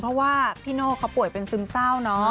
เพราะว่าพี่โน่เขาป่วยเป็นซึมเศร้าเนอะ